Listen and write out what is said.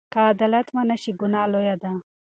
که عدالت ونشي، ګناه لویه ده.